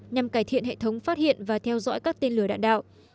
nhằm cải thiện hệ thống phát hiện và theo dõi các tên lửa đạn đạo